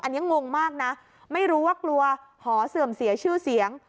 อันนี้งงมากนะไม่รู้ว่ากลัวหอเสื่อมเสียชื่อเสียง